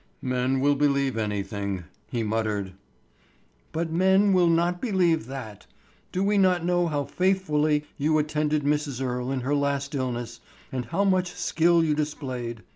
"Men will believe anything," he muttered. "But men will not believe that. Do we not all know how faithfully you attended Mrs. Earle in her last illness, and how much skill you displayed?